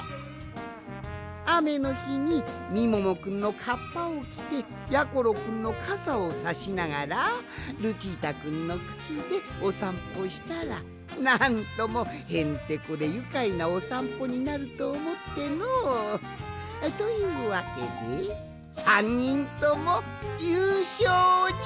あめのひにみももくんのかっぱをきてやころくんのかさをさしながらルチータくんのくつでおさんぽしたらなんともへんてこでゆかいなおさんぽになるとおもっての。というわけで３にんともゆうしょうじゃ！